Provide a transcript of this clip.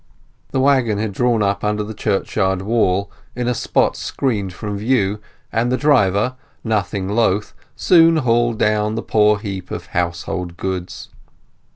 The waggon had drawn up under the churchyard wall, in a spot screened from view, and the driver, nothing loth, soon hauled down the poor heap of household goods.